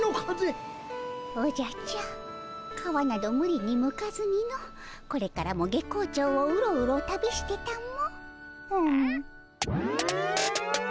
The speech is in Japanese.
おじゃちゃー皮などむりにむかずにのこれからも月光町をウロウロ旅してたも。